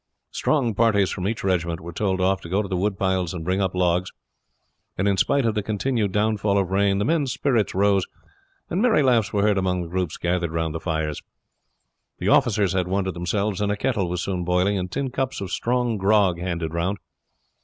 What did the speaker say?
Strong parties from each regiment were told off to go to the woodpiles and bring up logs, and in spite of the continued downfall of rain the men's spirits rose, and merry laughs were heard among the groups gathered round the fires. The officers had one to themselves; and a kettle was soon boiling, and tin cups of strong grog handed round.